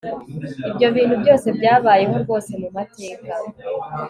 ibyo bintu byose byabayeho rwose mu mateka